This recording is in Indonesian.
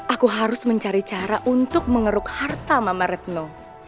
aku harus mencari cara untuk mengeruk harta mama retno